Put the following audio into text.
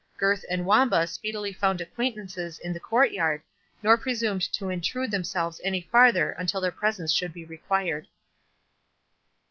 Gurth and Wamba speedily found acquaintances in the court yard, nor presumed to intrude themselves any farther until their presence should be required.